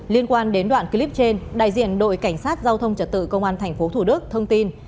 liên quan đến đoạn clip trên đại diện đội cảnh sát giao thông trật tự công an tp thủ đức thông tin